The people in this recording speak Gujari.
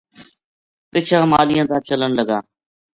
پَچھاں ماہلیاں تا چلن لگا